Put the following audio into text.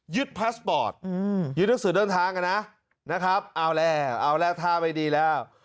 ยึดพลัสปอร์ตยึดนักสือเรื่องทางนะนะครับเอาแล้วเอาแล้วท่าไปดีแล้ว